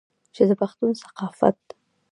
چې د پښتون ثقافت